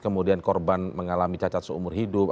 kemudian korban mengalami cacat seumur hidup